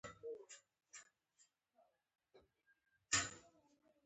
او زما سره د تسلۍ ټول لفظونه قات وو ـ